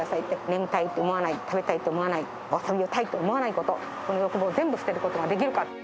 眠たいと思わない、食べたいと思わない、遊びたいと思わないこと、この欲望を全部捨てることができるか。